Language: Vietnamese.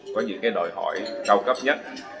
có những cái đòi hỏi cao cấp nhất